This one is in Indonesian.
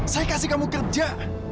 saya kasih kamu kerja